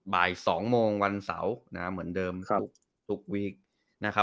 บ่าย๒โมงวันเสาร์เหมือนเดิมทุกวีคนะครับ